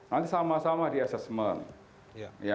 nanti sama sama di assessment